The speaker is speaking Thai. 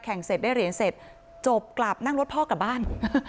เสร็จได้เหรียญเสร็จจบกลับนั่งรถพ่อกลับบ้าน